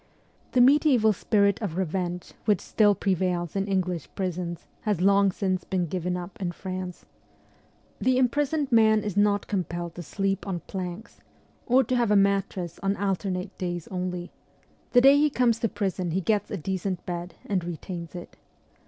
The mediaeval spirit of revenge which still prevails in English prisons has long since been given up in France. The imprisoned man is not compelled to sleep on planks, or to have a mattress on alternate days only ; the day he comes to prison he gets a decent bed and retains it.